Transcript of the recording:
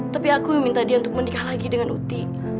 tapi aku meminta dia untuk menikah lagi dengan uti